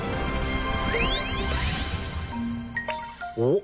おっ！